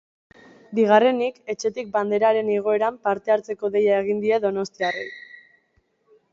Bigarrenik, etxetik banderaren igoeran parte-hartzeko deia egin die donostiarrei.